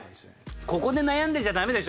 ここで悩んでちゃダメでしょ。